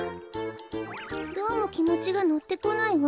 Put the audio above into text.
どうもきもちがのってこないわ。